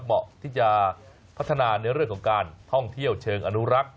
เหมาะที่จะพัฒนาในเรื่องของการท่องเที่ยวเชิงอนุรักษ์